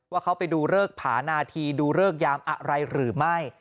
ว่าเขาไปดูเลิกผานาธีดูเริกยามอะไรหรือไม่